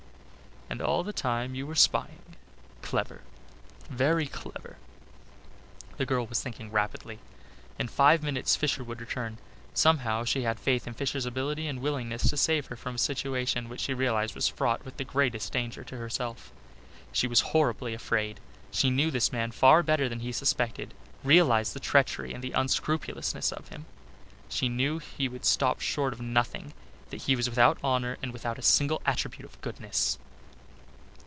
And all the time you were spying clever very clever!" The girl was thinking rapidly. In five minutes Fisher would return. Somehow she had faith in Fisher's ability and willingness to save her from a situation which she realized was fraught with the greatest danger to herself. She was horribly afraid. She knew this man far better than he suspected, realized the treachery and the unscrupulousness of him. She knew he would stop short of nothing, that he was without honour and without a single attribute of goodness.